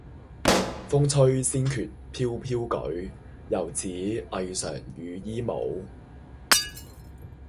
風吹仙袂飄飄舉，猶似霓裳羽衣舞。